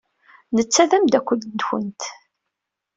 Netta d ameddakel-nwent.